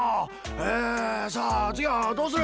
えさあつぎはどうする？